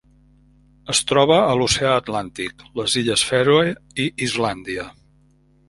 Es troba a l'Oceà Atlàntic: les Illes Fèroe i Islàndia.